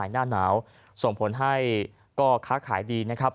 โดยได้มีการสั่งออเดอร์จากทางด้านของลาวข้อมา